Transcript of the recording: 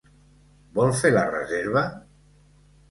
Vol fer la reserva?